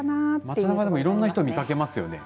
街なかでもいろんな人を見掛けますよね。